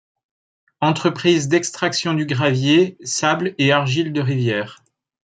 Entreprises d’extraction du gravier, sable et argile de rivière.